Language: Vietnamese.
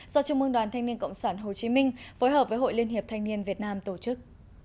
do trung mương đoàn thanh niên cộng sản hồ chí minh phối hợp với hội liên hiệp thanh niên việt nam tổ chức